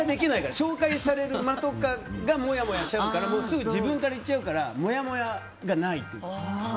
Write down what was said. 紹介される間にもやもやしちゃうから自分からいっちゃうからもやもやがないというか。